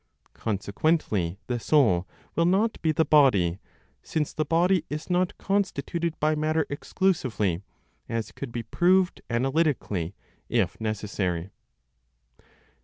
Consequently, the soul will not be the body, since the body is not constituted by matter exclusively, as could be proved analytically, if necessary.